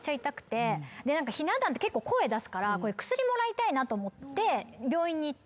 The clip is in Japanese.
ひな壇って結構声出すから薬もらいたいなと思って病院に行って。